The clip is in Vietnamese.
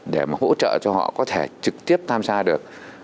để mà hỗ trợ cho họ có thể trực tiếp tham gia được